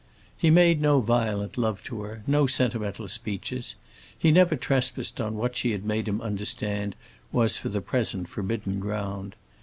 He made no violent love to her—no sentimental speeches. He never trespassed on what she had made him understand was for the present forbidden ground.